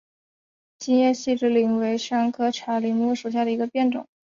金叶细枝柃为山茶科柃木属下的一个变种。